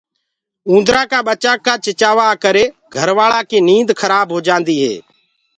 اُوندرآ ڪآ ٻڇآنٚ ڪآ چِڇآوآ ڪي ڪرآ گھروآلآ ڪي نيند کرآ هوجآندي هي۔